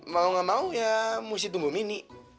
mau gak mau ya mesti tumbuh mini